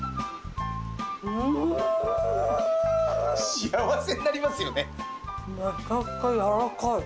幸せになりますよね。